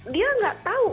dia nggak tahu